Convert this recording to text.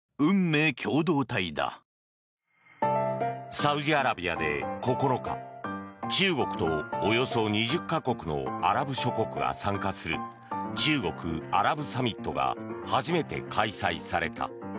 サウジアラビアで９日中国とおよそ２０か国のアラブ諸国が参加する中国・アラブサミットが初めて開催された。